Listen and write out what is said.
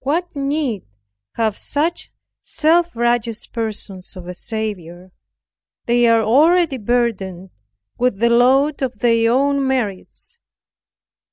What need have such self righteous persons of a Saviour? they are already burdened with the load of their own merits.